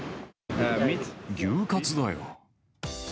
牛かつだよ。